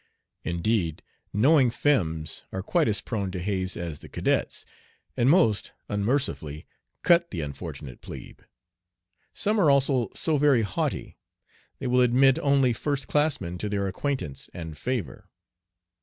Indeed, knowing "femmes" are quite as prone to haze as the cadets, and most unmercifully cut the unfortunate plebe. Some are also so very haughty: they will admit only first classmen to their acquaintance and favor.